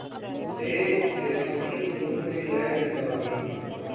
سے dressing room میں غیر نصابی